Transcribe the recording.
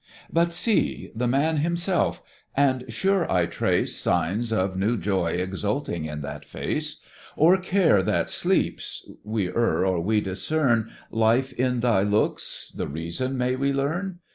But see! the Man himself; and sure I trace Signs of new joy exulting in that face O'er care that sleeps we err, or we discern Life in thy looks the reason may we learn?